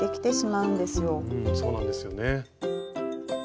うんそうなんですよね。